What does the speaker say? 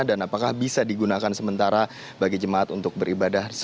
dan apakah bisa digunakan sementara bagi jemaat untuk beribadah